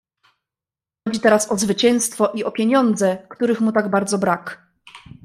"Chodzi teraz o zwycięstwo i o pieniądze, których mu tak bardzo brak."